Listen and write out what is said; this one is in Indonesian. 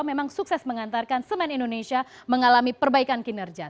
memang sukses mengantarkan semen indonesia mengalami perbaikan kinerja